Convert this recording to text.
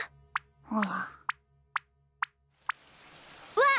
わっ！